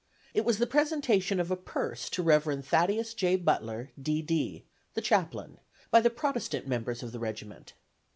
It was the presentation of a purse to Rev. Thaddeus J. Butler, D. D., the chaplain, by the Protestant members of the regiment.